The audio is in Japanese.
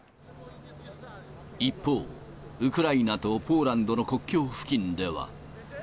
一方、ウクライナとポーランドの国境付近では。